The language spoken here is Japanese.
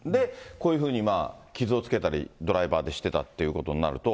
こういうふうに傷をつけたり、ドライバーでしてたということになると。